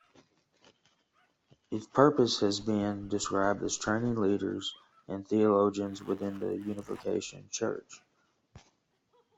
Its purpose has been described as training leaders and theologians within the Unification Church.